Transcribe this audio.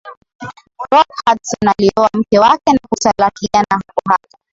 rock hudson alioa mke wake na kutalakiana hapohapo